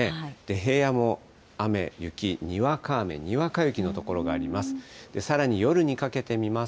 平野も雨、雪、にわか雨、にわか雪の所があります。